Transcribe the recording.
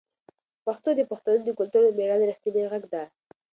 پښتو د پښتنو د کلتور او مېړانې رښتینې غږ ده.